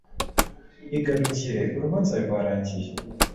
Igarukire, urubanza rwarangiye.”